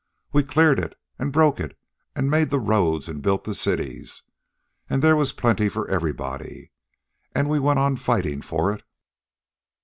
We cleared it, an' broke it, an' made the roads, an' built the cities. And there was plenty for everybody. And we went on fightin' for it.